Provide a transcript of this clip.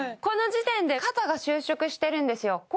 この時点で肩が収縮してるんですよ